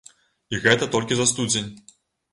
І гэта толькі за студзень.